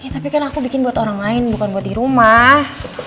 tapi kan aku bikin buat orang lain bukan buat di rumah